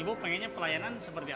ibu pengennya pelayanan seperti apa